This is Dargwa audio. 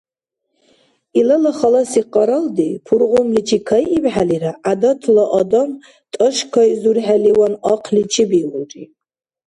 Илала халаси къаралди, пургъумличи кайибхӀелира, гӀядатла адам тӀашкайзурхӀеливан, ахъли чебиулри.